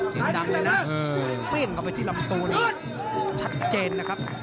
เสียงดังเลยนะเปรี้ยงเข้าไปที่ลำตัวนี่ชัดเจนนะครับ